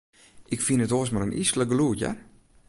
Ik fyn it oars mar in yslik gelûd, hear.